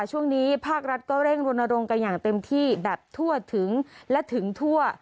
ช่วงนี้ภาครัฐก็เร่งรณรงค์กันอย่างเต็มที่แบบทั่วถึงและถึงทั่ว